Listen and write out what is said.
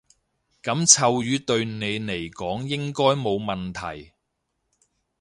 噉臭魚對你嚟講應該冇問題